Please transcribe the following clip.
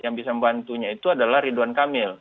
yang bisa membantunya itu adalah ridwan kamil